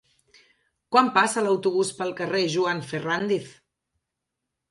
Quan passa l'autobús pel carrer Joan Ferrándiz?